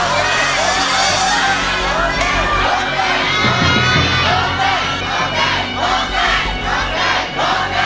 ครับ